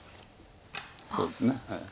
そうですね。